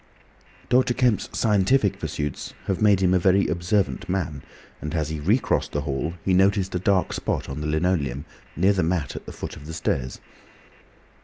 Dr. Kemp's scientific pursuits have made him a very observant man, and as he recrossed the hall, he noticed a dark spot on the linoleum near the mat at the foot of the stairs.